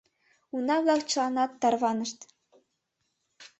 Уна-влак чыланат тарванышт.